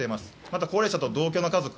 また高齢者と同居の家族。